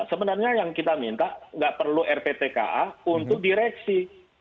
sebenarnya yang kita minta nggak perlu rptka untuk direksi